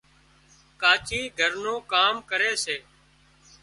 ڪاچي گھر نُون ڪام ڪري سي